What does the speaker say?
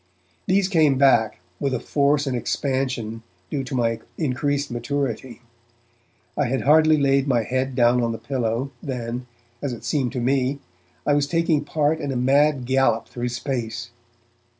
These came back, with a force and expansion due to my increased maturity. I had hardly laid my head down on the pillow, than, as it seemed to me, I was taking part in a mad gallop through space.